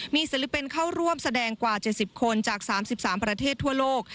มีศิลปินเข้าร่วมแสดงกว่า๗๐คนจาก๓๓ประเทศทั่วโลก